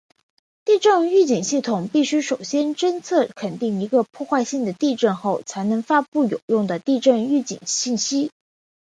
地震预警系统必须首先侦测确定一个破坏性的地震后才能发布有用的地震预警信息。